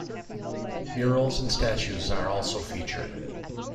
Murals and statues are also featured.